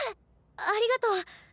ありがとう。